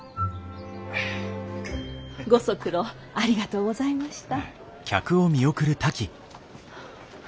ご足労ありがとうございました。